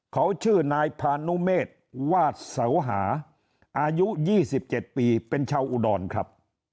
เขาชื่อนายพานุเมษวาดเสาหาอายุ๒๗ปีเป็นชาวอุดรครับ